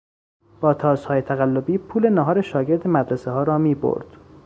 با تاسهای تقلبی پول ناهار شاگرد مدرسهها را میبرد.